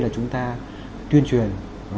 chúng ta tuyên truyền